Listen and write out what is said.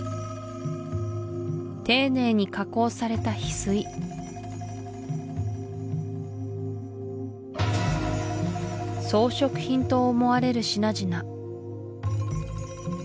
丁寧に加工されたヒスイ装飾品と思われる品々